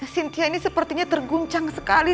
sintia ini sepertinya terguncang sekali